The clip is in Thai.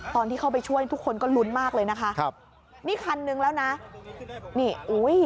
ตอนที่เข้าไปช่วยทุกคนก็ลุ้นมากเลยนะคะครับนี่คันนึงแล้วนะนี่อุ้ย